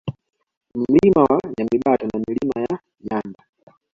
Mlima wa Nyamibata na Milima ya Nyanda